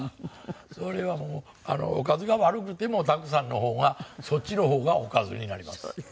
それはもうおかずが悪くてもたくさんの方がそっちの方がおかずになります。